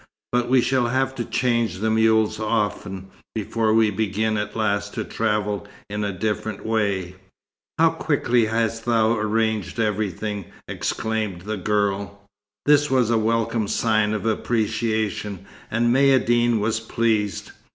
But we shall have to change the mules often, before we begin at last to travel in a different way." "How quickly thou hast arranged everything," exclaimed the girl. This was a welcome sign of appreciation, and Maïeddine was pleased.